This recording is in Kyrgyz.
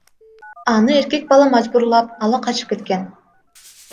Аны эркек бала мажбурлап ала качып кеткен.